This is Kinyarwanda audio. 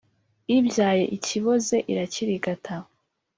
Ibyaye ikiboze irakirigata.